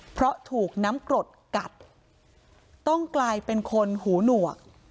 เพราะถูกน้ำกรดกัดต้องกลายเป็นคนหูหนวก